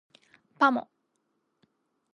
パモ